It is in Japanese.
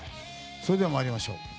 それでは参りましょう。